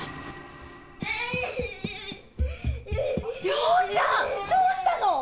涼羽ちゃん！どうしたの？